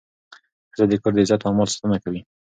ښځه د کور د عزت او مال ساتنه کوي.